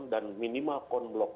dan minimal konblok